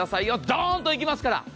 ドンといきますから。